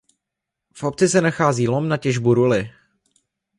V obci se nachází lom na těžbu ruly.